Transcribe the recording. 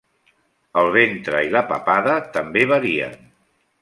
El ventre i la papada també varien.